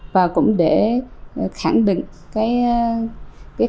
và cũng để khẳng định cái khả năng